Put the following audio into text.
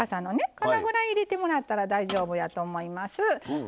それぐらい入れてもらったら大丈夫やと思います。